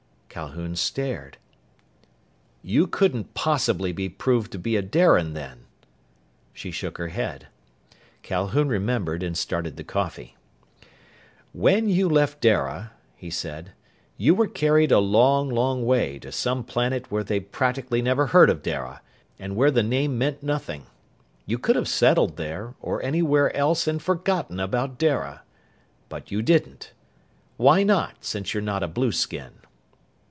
Calhoun stared. "You couldn't possibly be proved to be a Darian, then?" She shook her head. Calhoun remembered, and started the coffee. "When you left Dara," he said, "you were carried a long, long way, to some planet where they'd practically never heard of Dara, and where the name meant nothing. You could have settled there, or anywhere else and forgotten about Dara. But you didn't. Why not, since you're not a blueskin?"